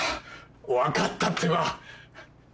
分かったってば